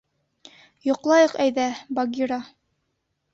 — Йоҡлайыҡ әйҙә, Багира.